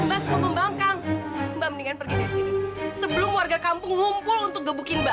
mbak semua membangkang mbak mendingan pergi di sini sebelum warga kampung ngumpul untuk gebukin mbak